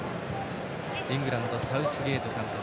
イングランド、サウスゲート監督。